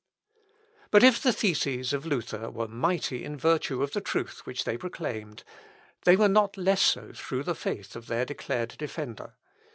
But if the theses of Luther were mighty in virtue of the truth which they proclaimed, they were not less so through the faith of their declared defender.